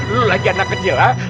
lu lagi anak kecil ha